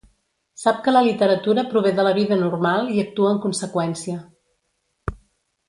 Sap que la literatura prové de la vida normal i actua en conseqüència.